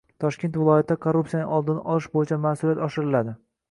Toshkent viloyatida korrupsiyaning oldini olish bo‘yicha mas’uliyat oshiriladi